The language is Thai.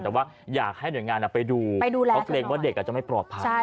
แต่ว่าอยากให้หน่วยงานไปดูไปดูแลเพราะเกรงว่าเด็กอาจจะไม่ปลอดภัย